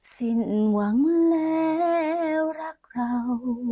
สิ้นหวังแล้วรักเรา